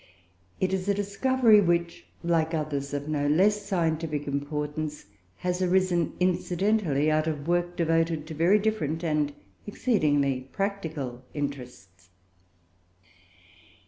It is a discovery which, like others of no less scientific importance, has arisen, incidentally, out of work devoted to very different and exceedingly practical interests.